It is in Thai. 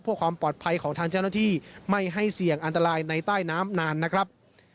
เพื่อความปลอดภัยของทางเจ้าหน้าที่ไม่ให้เสี่ยงอันตรายในใต้น้ำนานนะครับ